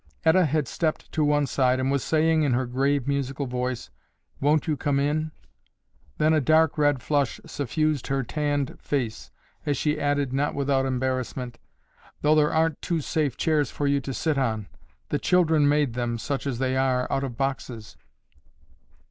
Etta had stepped to one side and was saying in her grave, musical voice, "Won't you come in?" Then a dark red flush suffused her tanned face as she added, not without embarrassment, "Though there aren't two safe chairs for you to sit on. The children made them, such as they are, out of boxes."